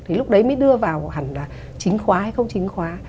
thì lúc đấy mới đưa vào hẳn là chính khóa hay không chính khóa